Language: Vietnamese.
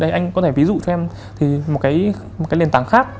đây anh có thể ví dụ cho em thì một cái liền tảng khác